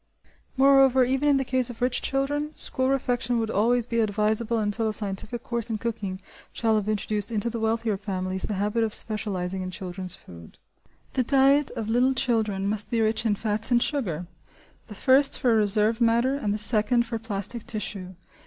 Moreover, even in the case of rich children, school refection would always be advisable until a scientific course in cooking shall have introduced into the wealthier families the habit of specialising in children's food. The diet of little children must be rich in fats and sugar: the first for reserve matter and the second for plastic tissue.